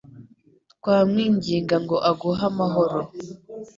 twamwinginga ngo aguhe amahoro